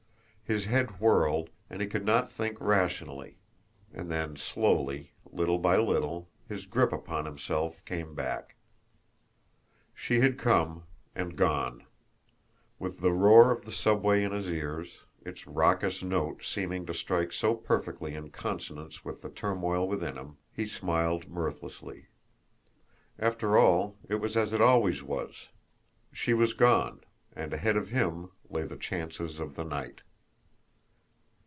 His head whirled, and he could not think rationally and then slowly, little by little, his grip upon himself came back. She had come and gone! With the roar of the subway in his ears, its raucous note seeming to strike so perfectly in consonance with the turmoil within him, he smiled mirthlessly. After all, it was as it always was! She was gone and ahead of him lay the chances of the night!